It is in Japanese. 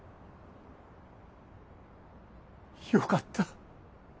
良かった。